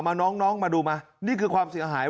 น้องน้องมาดูมานี่คือความเสียหาย